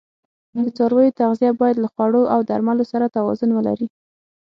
د څارویو تغذیه باید له خوړو او درملو سره توازون ولري.